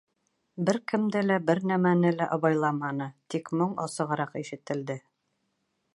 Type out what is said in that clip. Бер кемде лә, бер нәмәне лә абайламаны, тик моң асығыраҡ ишетелде.